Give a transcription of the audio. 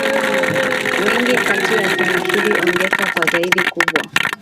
wengi kati yetu tumeshuhudia ongezeko kwa kasi kubwa